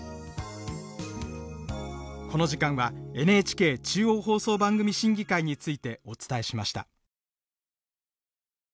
この時間はＮＨＫ中央放送番組審議会についてお伝えしました。